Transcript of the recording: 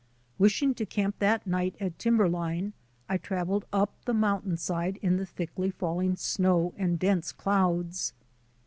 Wishing to camp that night at timberline, I travelled up the mountainside in the thickly falling snow and dense clouds.